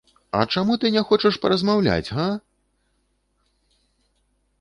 А чаму ты не хочаш паразмаўляць, га?!